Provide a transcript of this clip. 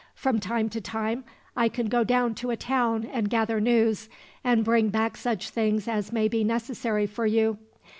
From time to time I can go down to a town and gather news, and bring back such things as may be necessary for you.